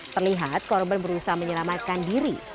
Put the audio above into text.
terlihat korban berusaha menyelamatkan diri